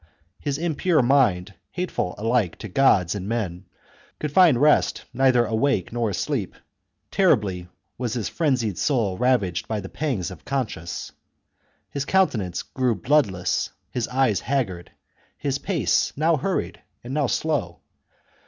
His. impure mind, hateful alike to gods XV. THE CONSPIRACY OF CATILINE. 1 3 and men, could find rest neither awake nor asleep, so ^S^^ terribly was his frenzied soul ravaged by the pangs of conscience. His countenance grew bloodless, his eyes haggard, his pace now hurried and now slow.